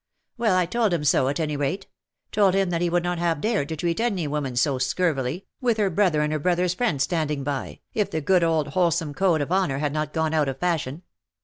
" Wellj I told him sO; at any rate ; told him that he would not have dared to treat any woman so scurvily, with her brother and her brother's friend standing by, if the good old wholesome code of honour had not gone out of fashion.